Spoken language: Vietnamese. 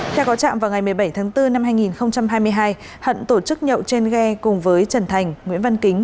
theo có trạm vào ngày một mươi bảy tháng bốn năm hai nghìn hai mươi hai hận tổ chức nhậu trên ghe cùng với trần thành nguyễn văn kính